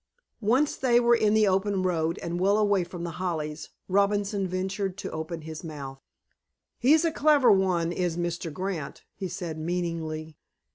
Once they were in the open road, and well away from The Hollies, Robinson ventured to open his mouth. "He's a clever one is Mr. Grant," he said meaningly.